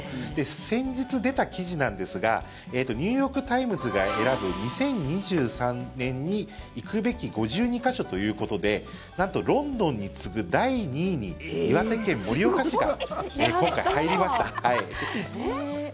先日出た記事なんですがニューヨーク・タイムズが選ぶ２０２３年に行くべき５２か所ということでなんとロンドンに次ぐ第２位に岩手県盛岡市がえー！